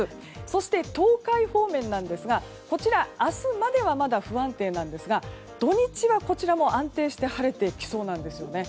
そして、東海方面なんですがこちら、明日まではまだ不安定なんですが土日はこちらも安定して晴れてきそうなんですよね。